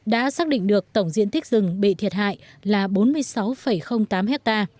đã xác định được tổng diện thích rừng bị thiệt hại là bốn mươi sáu tám hectare